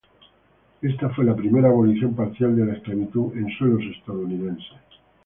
Esta fue la primera abolición parcial de la esclavitud en suelo estadounidense.